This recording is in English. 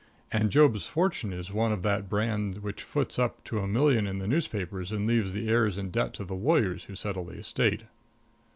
And Job's fortune is one of that brand which foots up to a million in the newspapers and leaves the heirs in debt to the lawyers who settle the estate.